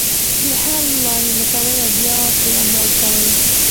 د حل لارې لټوي او بیا پرې عمل کوي.